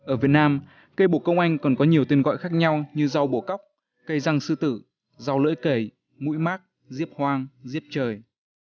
ở việt nam cây bồ công anh còn có nhiều tên gọi khác nhau như rau bổ cóc cây răng sư tử rau lưỡi kể mũi mát diếp hoang diếp trời